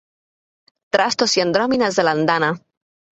Trastos i andròmines a l’andana.